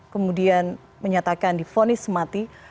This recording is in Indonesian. kemudian menyatakan di vonis mati